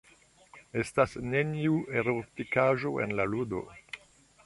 Estas neniu erotikaĵo en la ludo.